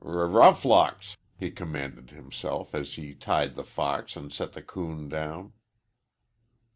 "Rur roughlocks!" he commanded himself, as he tied the fox and set the coon down.